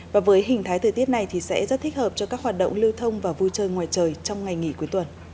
và với hình thái thời tiết này thì sẽ rất thích hợp cho các hoạt động lưu thông và vui chơi ngoài trời trong ngày nghỉ cuối tuần